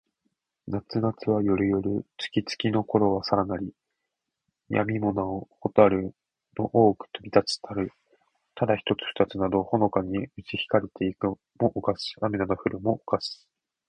夏なつは、夜よる。月つきのころはさらなり。闇やみもなほ、蛍ほたるの多おほく飛とびちがひたる。また、ただ一ひとつ二ふたつなど、ほのかにうち光ひかりて行いくも、をかし。雨あめなど降ふるも、をかし。